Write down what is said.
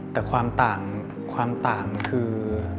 แต่ความต่างคือ